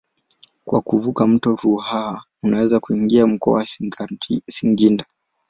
Kwa kuvuka mto Ruaha unaweza kuingia mkoa wa Singida.